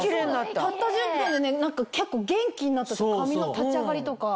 たった１０分でね結構元気になったっていうか髪の立ち上がりとか。